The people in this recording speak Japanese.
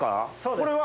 これは。